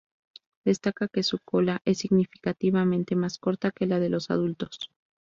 Destaca que su cola es significativamente más corta que la de los adultos.